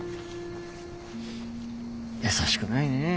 優しくないねえ。